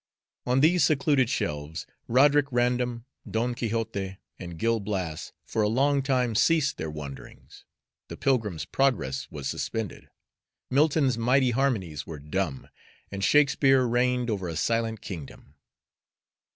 On these secluded shelves Roderick Random, Don Quixote, and Gil Blas for a long time ceased their wanderings, the Pilgrim's Progress was suspended, Milton's mighty harmonies were dumb, and Shakespeare reigned over a silent kingdom.